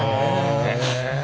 へえ。